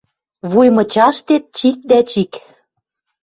Вуй мычаштет чик дӓ чик